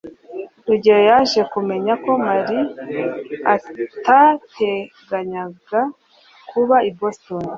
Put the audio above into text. rugeyo yaje kumenya ko mary atateganyaga kuba i boston